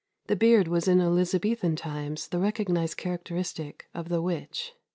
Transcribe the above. The beard was in Elizabethan times the recognized characteristic of the witch.